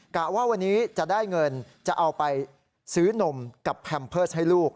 กะว่าวันนี้จะได้เงินจะเอาไปซื้อนมกับแพมเพิร์สให้ลูก